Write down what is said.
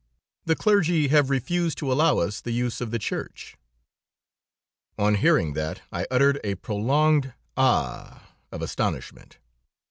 The clergy have refused to allow us the use of the church." On hearing that I uttered a prolonged A h! of astonishment.